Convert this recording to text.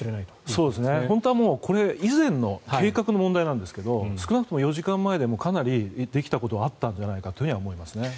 そうですね、本当はこれ以前の計画の問題なんですが少なくとも４時間前でかなりできたことはあったんじゃないかと思いますね。